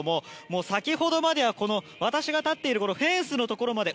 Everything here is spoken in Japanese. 先ほどまでは、私が立っているフェンスのところまで